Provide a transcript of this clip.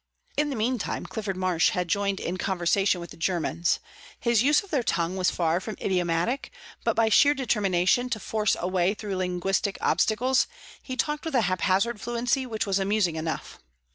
In the meantime Clifford Marsh had joined in conversation with the Germans; his use of their tongue was far from idiomatic, but by sheer determination to force a way through linguistic obstacles, he talked with a haphazard fluency which was amusing enough.